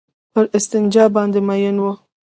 پر استنجا باندې مئين وو.